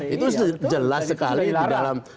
itu jelas sekali di dalam